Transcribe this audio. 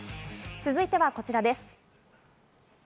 続いては、こちらです。